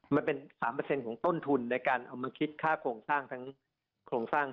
มันเป็น๓ของต้นทุนในการเอามาคิดค่าโครงสร้างทั้งโครงสร้าง